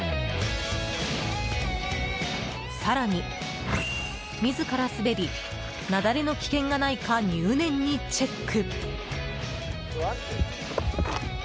更に自ら滑り雪崩の危険がないか入念にチェック。